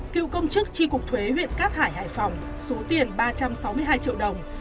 cựu công chức tri cục thuế huyện cát hải hải phòng số tiền ba trăm sáu mươi hai triệu đồng